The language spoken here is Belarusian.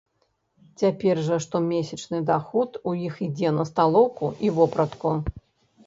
Цяпер жа штомесячны даход у іх ідзе на сталоўку і вопратку.